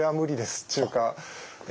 っちゅうか。